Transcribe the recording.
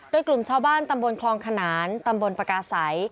โดยกลุ่มชาวบ้านตำบลคลองขนานตำบลปากาศัย